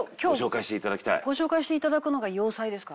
今日ご紹介して頂くのが洋裁ですか？